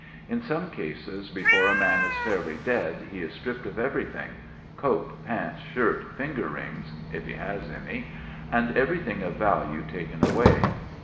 In some cases before a man is fairly dead, he is stripped of everything, coat, pants, shirt, finger rings (if he has any), and everything of value taken away.